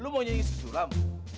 lu mau nyanyi sulam